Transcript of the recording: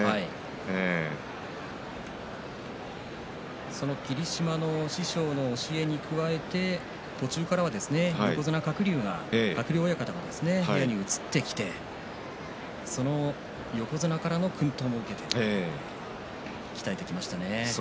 師匠の霧島の教えに加えて途中からは横綱鶴竜が鶴竜親方が部屋に移ってきて横綱からの薫陶を受けて鍛えてきましたね。